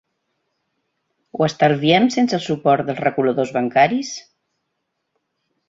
Ho estalviem sense el suport dels reguladors bancaris?